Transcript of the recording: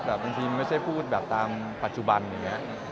แต่บางทีมันไม่ใช่พูดแบบตามปัจจุบันอย่างนี้